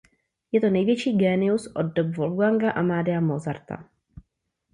Je to největší génius od dob Wolfganga Amadea Mozarta.